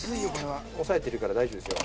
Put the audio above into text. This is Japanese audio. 押さえてるから大丈夫ですよ。